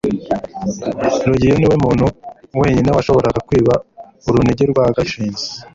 rugeyo niwe muntu wenyine washoboraga kwiba urunigi rwa gashinzi